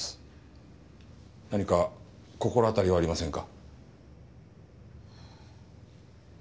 何か心当たりはありませんか？